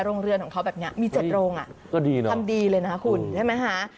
โรงเรือนของเขาแบบนี้มี๗โรงอ่ะก็ดีนะทำดีเลยนะคุณใช่ไหมคะ